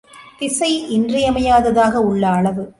திசை இன்றியமையாததாக உள்ள அளவு.